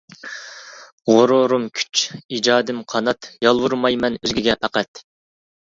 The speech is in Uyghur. غۇرۇرۇم كۈچ، ئىجادىم قانات، يالۋۇرمايمەن ئۆزگىگە پەقەت.